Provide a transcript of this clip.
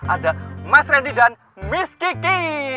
ada mas randy dan miss kiki